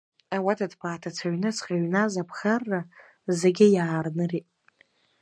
Ауада ҭбааҭыцә аҩныҵҟа иҩназ аԥхарра зегьы иаарнырит.